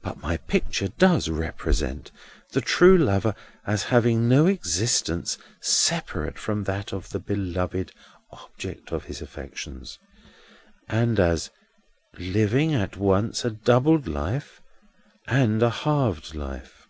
But my picture does represent the true lover as having no existence separable from that of the beloved object of his affections, and as living at once a doubled life and a halved life.